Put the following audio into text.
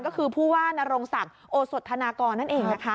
ก็คือผู้ว่านรงศักดิ์โอสธนากรนั่นเองนะคะ